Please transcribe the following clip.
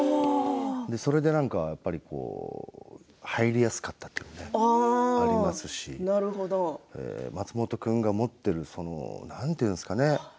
それで、なんか入りやすかったというかねありますし、松本君が持っている何て言うんですかね